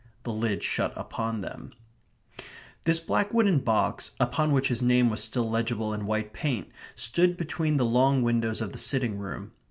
The lid shut upon the truth. This black wooden box, upon which his name was still legible in white paint, stood between the long windows of the sitting room.